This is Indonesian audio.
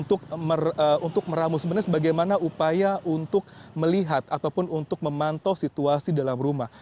untuk meramu sebenarnya bagaimana upaya untuk melihat ataupun untuk memantau situasi dalam rumah